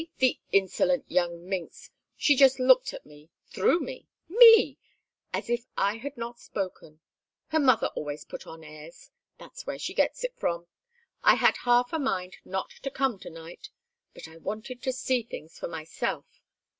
The insolent young minx! She just looked at me, through me Me as if I had not spoken. Her mother always put on airs. That's where she gets it from. I had half a mind not to come to night. But I wanted to see things for myself.